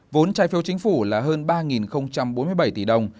vốn trai phiêu chính phủ là hơn ba bốn mươi bảy tỷ đồng